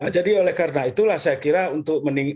jadi oleh karena itulah saya kira untuk menikmati